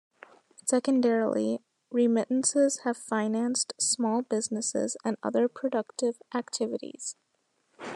Secondarily, remittances have financed small businesses and other productive activities.